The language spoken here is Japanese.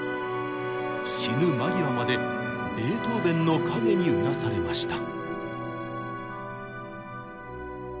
死ぬ間際までベートーベンの影にうなされました。